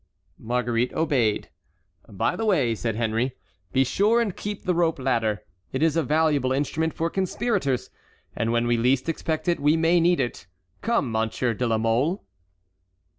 Marguerite obeyed. "By the way," said Henry, "be sure and keep the rope ladder. It is a valuable instrument for conspirators; and when we least expect it we may need it. Come, Monsieur de la Mole."